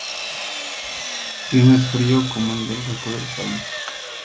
Su clima es frío como el del resto del país.